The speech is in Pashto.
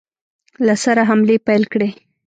له سره حملې پیل کړې.